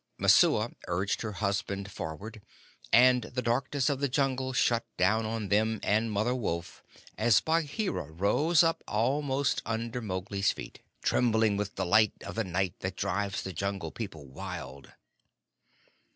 Messua urged her husband forward, and the darkness of the Jungle shut down on them and Mother Wolf as Bagheera rose up almost under Mowgli's feet, trembling with delight of the night that drives the Jungle People wild.